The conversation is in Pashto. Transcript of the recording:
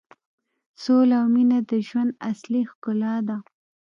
سوله او مینه د ژوند اصلي ښکلا ده.